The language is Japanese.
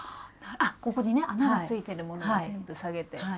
あっここにね穴が付いてるものは全部下げて。